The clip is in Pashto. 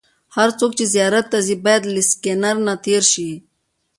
هر څوک چې زیارت ته ځي باید له سکېنر نه تېر شي.